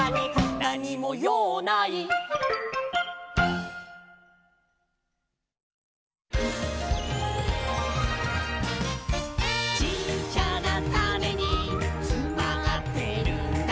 「なにもようない」「ちっちゃなタネにつまってるんだ」